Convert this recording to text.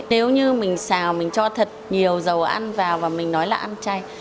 nếu như mình xào mình cho thật nhiều dầu ăn vào và mình nói là ăn chay